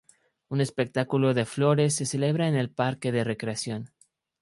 Un espectáculo de flores se celebra en el parque de recreación.